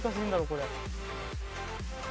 これ。